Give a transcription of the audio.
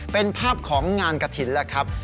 เป็นภาพของงานกระถิ่นแล้วครับ